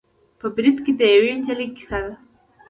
په بریده کې د یوې نجلۍ کیسه ده.